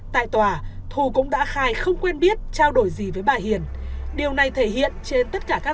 tại tòa thu cũng đã khai không quen biết trao đổi gì với bà hiền điều này thể hiện trên tất cả các